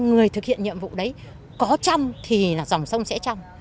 người thực hiện nhiệm vụ đấy có trong thì là dòng sông sẽ trong